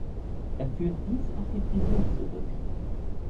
Er führt dies auf die Frisur zurück.